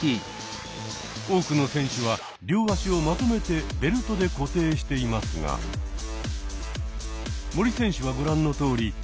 多くの選手は両足をまとめてベルトで固定していますが森選手はご覧のとおり。